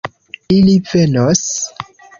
Ili venos.